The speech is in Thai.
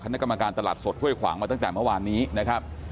นักกรรมการตลาดสดห้วยขวางมาตั้งแต่เมื่อวานนี้นะครับ